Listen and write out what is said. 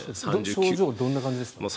症状はどんな感じでした？